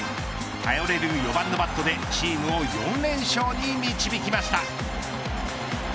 頼れる４番のバットでチームを４連勝に導きました。